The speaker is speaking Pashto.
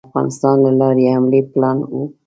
د افغانستان له لارې حملې پلان وو.